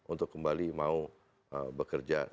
untuk kembali mau bekerja